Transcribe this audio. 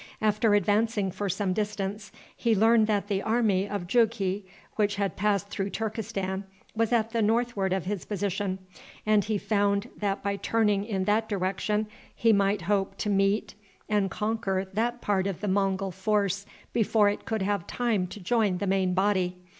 After advancing for some distance, he learned that the army of Jughi, which had passed through Turkestan, was at the northward of his position, and he found that by turning in that direction he might hope to meet and conquer that part of the Mongul force before it could have time to join the main body.